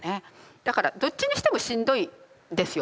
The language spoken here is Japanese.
だからどっちにしてもしんどいですよ